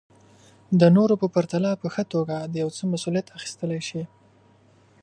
د نورو په پرتله په ښه توګه د يو څه مسوليت اخيستلی شي.